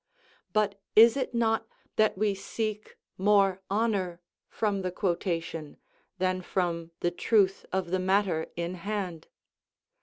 But is it not that we seek more honour from the quotation, than from the truth of the matter in hand?